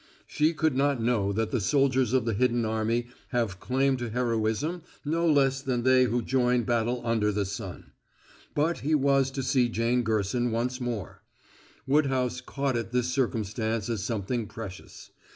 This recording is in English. She could not know that the soldiers of the Hidden Army have claim to heroism no less than they who join battle under the sun. But he was to see Jane Gerson once more; Woodhouse caught at this circumstance as something precious.